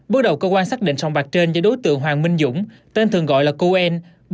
bước đầu cơ quan xác định sòng bạc trên do đối tượng hoàng minh dũng tên thường gọi là côn